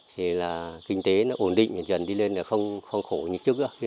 thì kinh tế ổn định dần dần đi lên không khổ như trước